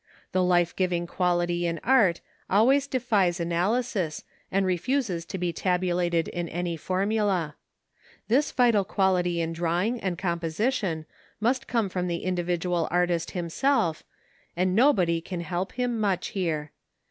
The life giving quality in art always defies analysis and refuses to be tabulated in any formula. This vital quality in drawing and composition must come from the individual artist himself, and nobody can help him much here.